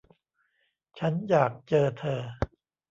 ฉันอยากเจอเธอ